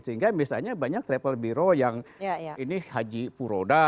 sehingga misalnya banyak triple bureau yang ini haji puroda